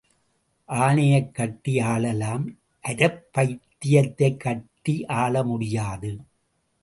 ஆனையைக் கட்டி ஆளலாம் அரைப் பைத்தியத்தைக் கட்டி ஆள முடியாது.